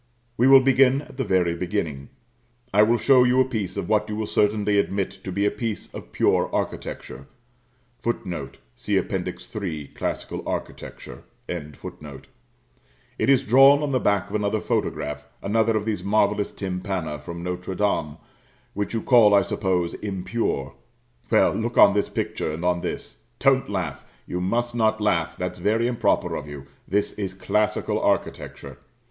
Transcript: We will begin at the very beginning. I will show you a piece of what you will certainly admit to be a piece of pure architecture; [Footnote: See Appendix III., "Classical Architecture."] it is drawn on the back of another photograph, another of these marvellous tympana from Notre Dame, which you call, I suppose, impure. Well, look on this picture, and on this. Don't laugh; you must not laugh, that's very improper of you, this is classical architecture.